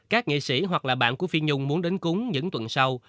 các nghệ sĩ hoặc là bạn của phiên nhung muốn đến cúng những tuần sau